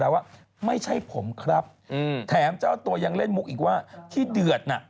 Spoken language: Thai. แต่ว่าไม่ใช่ผมครับแถมเจ้าตัวยังเล่นมุกอีกว่าที่เดือดน่ะ